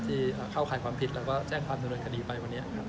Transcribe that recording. ที่เข้าข่ายความผิดเราก็แจ้งความสนุนคดีไปวันนี้